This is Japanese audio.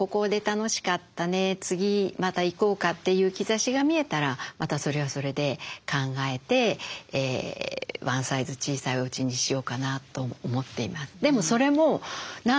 次またいこうか」という兆しが見えたらまたそれはそれで考えてワンサイズ小さいおうちにしようかなと思っています。